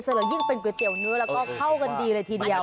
แล้วยิ่งเป็นก๋วยเตี๋ยวเนื้อแล้วก็เข้ากันดีเลยทีเดียว